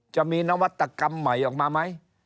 จะมีนวัตกรรมใหม่ออกมาไหม